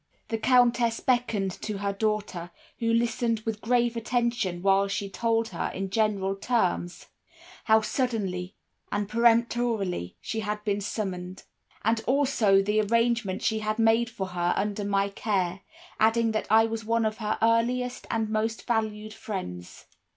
"The Countess beckoned to her daughter, who listened with grave attention while she told her, in general terms, how suddenly and peremptorily she had been summoned, and also of the arrangement she had made for her under my care, adding that I was one of her earliest and most valued friends.